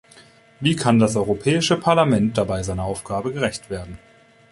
Wie kann das Europäische Parlament dabei seiner Aufgabe gerecht werden?